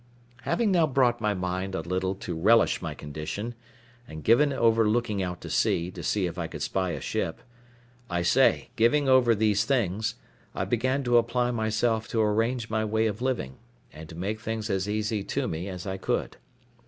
Having now brought my mind a little to relish my condition, and given over looking out to sea, to see if I could spy a ship—I say, giving over these things, I began to apply myself to arrange my way of living, and to make things as easy to me as I could.